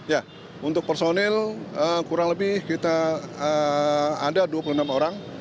ya untuk personil kurang lebih kita ada dua puluh enam orang